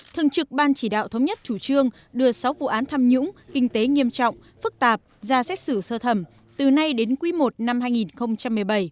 thường trực ban chỉ đạo thống nhất chủ trương đưa sáu vụ án tham nhũng kinh tế nghiêm trọng phức tạp ra xét xử sơ thẩm từ nay đến quý i năm hai nghìn một mươi bảy